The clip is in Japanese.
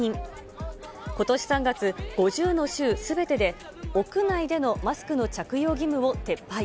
ことし３月、５０の州すべてで屋内でのマスクの着用義務を撤廃。